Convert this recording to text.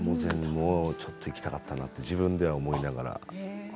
もうちょっといきたかったなと自分では思いながら。